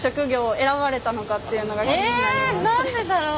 何でだろう。